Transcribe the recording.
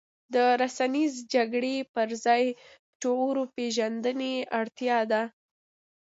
د رسنیزې جګړې پر ځای شعور پېژندنې اړتیا ده.